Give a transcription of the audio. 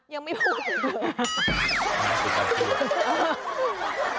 ยังไม่พูดเหมือนเดิม